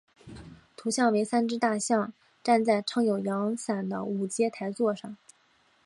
图像为三只大象站在撑有阳伞的五阶台座上。